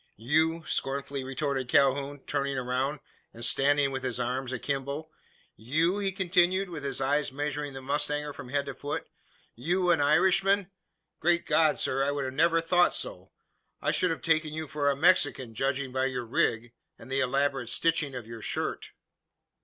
"You?" scornfully retorted Calhoun, turning round, and standing with his arms akimbo. "You?" he continued, with his eye measuring the mustanger from head to foot, "you an Irishman? Great God, sir, I should never have thought so! I should have taken you for a Mexican, judging by your rig, and the elaborate stitching of your shirt."